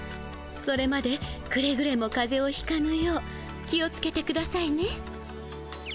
それまでくれぐれも風邪をひかぬよう気をつけてくださいね。